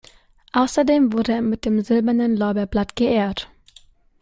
Außerdem wurde er mit dem Silbernen Lorbeerblatt geehrt.